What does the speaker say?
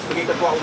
sebagai ketua umum